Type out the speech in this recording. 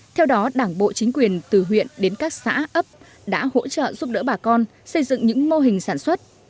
theo đó đảng bộ chính quyền từ huyện đến các xã ấp đã hỗ trợ giúp đỡ bà con xây dựng những mô hình sản xuất